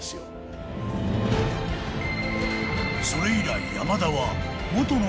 ［それ以来山田はもとの］